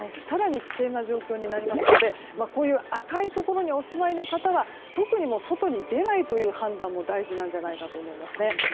更に危険な状況になりますので赤いところにお住まいの方は外に出ないという判断も大事なんじゃないかと思いますね。